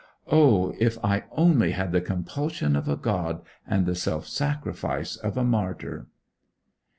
O, if I only had the compulsion of a god, and the self sacrifice of a martyr!